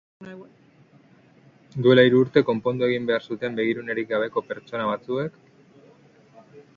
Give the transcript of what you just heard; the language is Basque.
Duela hiru urte konpondu egin behar zuten begirunerik gabeko pertsona batzuek.